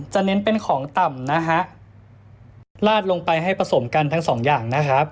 เน้นเป็นของต่ำนะฮะลาดลงไปให้ผสมกันทั้งสองอย่างนะครับ